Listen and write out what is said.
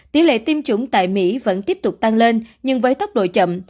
tỷ lệ tiêm chủng tại mỹ vẫn tiếp tục tăng lên nhưng với tốc độ chậm